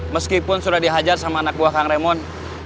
meskipun sudah dihajar sama anak buah kang remon